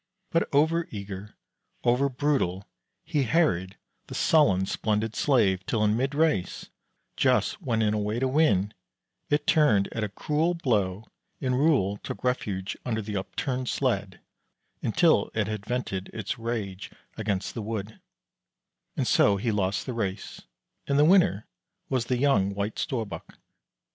But over eager, over brutal, he harried the sullen, splendid slave till in mid race just when in a way to win it turned at a cruel blow, and Rol took refuge under the upturned sled until it had vented its rage against the wood; and so he lost the race, and the winner was the young White Storbuk.